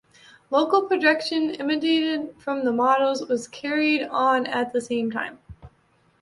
Local production, imitated from the models, was carried on at the same time.